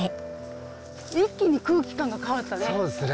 一気に空気感が変わったね。